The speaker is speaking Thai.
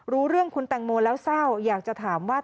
รู้เรื่องคุณแตงโมแล้วเศร้าอยากจะถามว่า